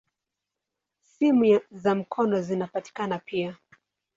Simu za mkono zinapatikana pia.